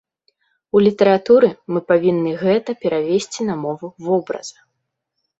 У літаратуры мы павінны гэта перавесці на мову вобраза.